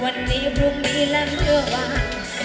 วันนี้พรุ่งนี้และเมื่อวาน